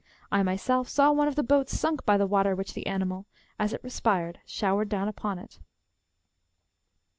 I myself saw one of the boats ^^ sunk by the water which the animal, as it respired, showered down upon it.